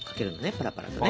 パラパラとね。